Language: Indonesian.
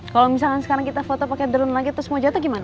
kalo misalkan sekarang kita foto pake dron lagi terus mau jatuh gimana